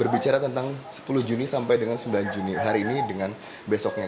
berbicara tentang sepuluh juni sampai dengan sembilan juni hari ini dengan besoknya